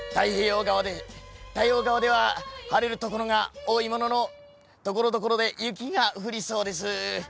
太平洋側では晴れる所が多いものの、ところどころで雪が降りそうです。